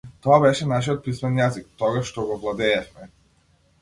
Тоа беше нашиот писмен јазик, тогаш што го владеевме.